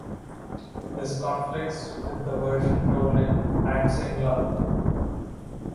This conflicts with the version told in "Heimskringla".